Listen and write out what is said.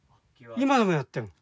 今でもやってる。